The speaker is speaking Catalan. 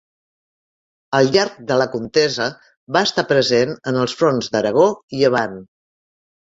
Al llarg de la contesa va estar present en els fronts d'Aragó i Llevant.